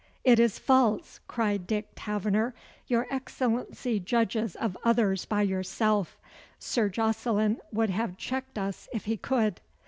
"It is false," cried Dick Taverner. "Your Excellency judges of others by yourself. Sir Jocelyn would have checked us if he could."